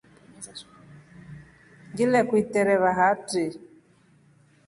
Ngilekuvetia hatri.